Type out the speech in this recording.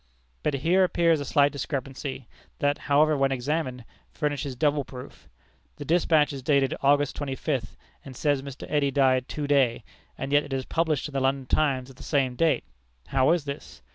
But here appears a slight discrepancy, that, however, when examined, furnishes double proof. The despatch is dated August twenty fifth, and says Mr. Eddy died to day, and yet it is published in the London Times of the same date! How is this?